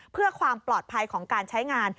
เพื่อความปลอดภัยของการใช้งาน